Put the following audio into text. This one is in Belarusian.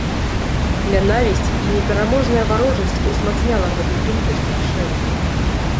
Нянавісць і непераможная варожасць узмацняла гэтую думку страшэнна.